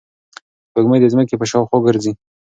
سپوږمۍ د ځمکې په شاوخوا ګرځي.